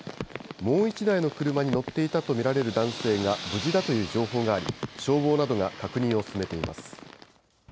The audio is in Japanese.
もう１台の車に乗っていたと見られる男性が無事だという情報があり消防などが確認を進めています。